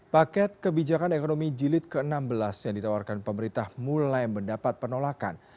paket kebijakan ekonomi jilid ke enam belas yang ditawarkan pemerintah mulai mendapat penolakan